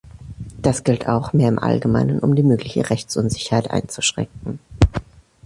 Das gilt auch, mehr im Allgemeinen, um die mögliche Rechtsunsicherheit einzuschränken.